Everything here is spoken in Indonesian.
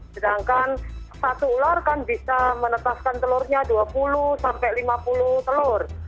sedangkan satu ular kan bisa menetaskan telurnya dua puluh sampai lima puluh telur